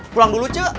pulang dulu c